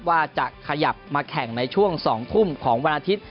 ว่าจะขยับมาแข่งในช่วง๒ทุ่มของวันอาทิตย์